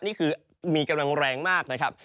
นี่คือมีกำลังแรงมากนะครับ